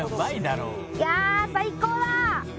いやあ最高だ！